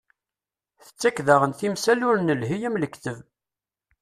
Tettak-d daɣen timsal ur nelhi am lekteb.